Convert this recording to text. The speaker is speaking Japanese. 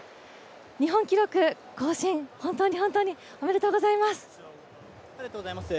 日本記録更新、本当に本当におめでとうございます。